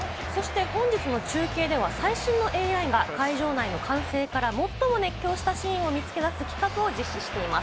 本日の中継では最新のＡＩが会場内の歓声から最も熱狂したシーンを見つけ出す企画を実施しています。